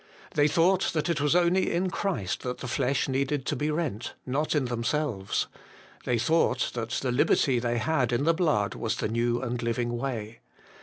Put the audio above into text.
They thought that it was only in Christ that the flesh needed to be rent, not in themselves. They thought that the liberty they had in the blood was the new and living way.